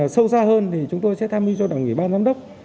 sâu xa hơn thì chúng tôi sẽ tham mưu cho đảng ủy ban giám đốc